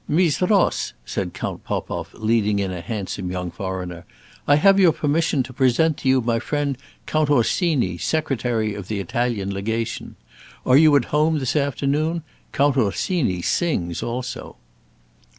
"Mees Ross," said Count Popoff, leading in a handsome young foreigner, "I have your permission to present to you my friend Count Orsini, Secretary of the Italian Legation. Are you at home this afternoon? Count Orsini sings also."